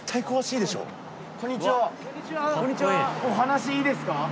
お話いいですか？。